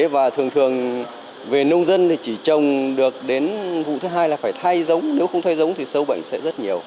và thường thường về nông dân thì chỉ trồng được đến vụ thứ hai là phải thay giống nếu không thay giống thì sâu bệnh sẽ rất nhiều